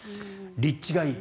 立地がいい。